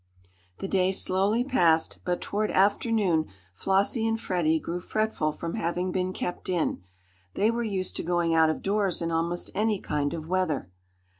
The day slowly passed, but toward afternoon Flossie and Freddie grew fretful from having been kept in. They were used to going out of doors in almost any kind of weather.